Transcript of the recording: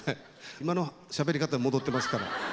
今のしゃべり方戻ってますから。